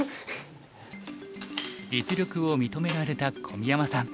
実力を認められた小宮山さん